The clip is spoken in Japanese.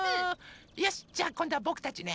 よしじゃあこんどはぼくたちね。